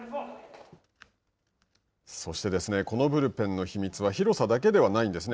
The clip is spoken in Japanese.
そして、このブルペンの秘密は広さだけではないんですね。